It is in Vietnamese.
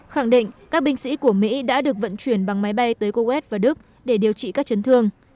khẳng định các binh sĩ của mỹ đã được vận chuyển bằng máy bay tới kuwait và đức để điều trị các chấn thương